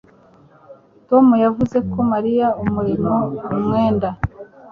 Tom yavuze ko Mariya amurimo umwenda